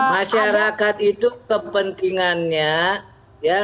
masyarakat itu kepentingannya